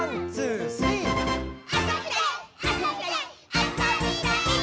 あそびたいっ！」